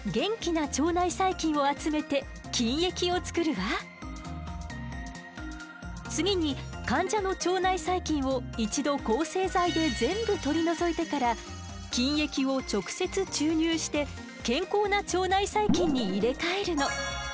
まず次に患者の腸内細菌を一度抗生剤で全部取り除いてから菌液を直接注入して健康な腸内細菌に入れ替えるの。